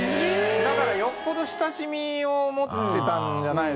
だからよっぽど親しみを持ってたんじゃないですかね。